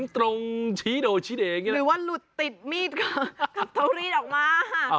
ตรงชี้โดชี้ตัวเองหรือว่าหลุดติดมีดกับเตารีดออกมา